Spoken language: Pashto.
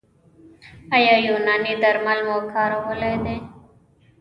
ایا یوناني درمل مو کارولي دي؟